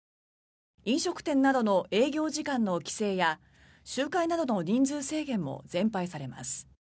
飲食店などの営業時間の規制や集会などの人数制限も全廃されます。